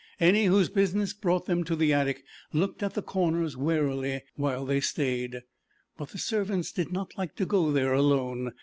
Any whose business brought them to the attic looked in the corners warily, while they stayed, but the servants did not like to go there alone.